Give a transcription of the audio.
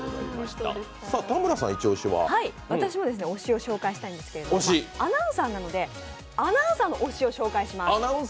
私も推しを紹介したいんですけれども、アナウンサーなので、アナウンサーの推しを紹介します。